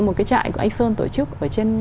một cái trại của anh sơn tổ chức ở trên